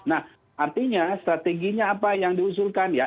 nah artinya strateginya apa yang diusulkan ya